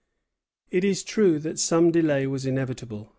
It is true that some delay was inevitable.